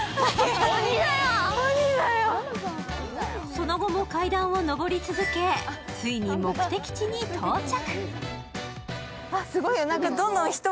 その後も階段を上り続け、ついに目的地に到着。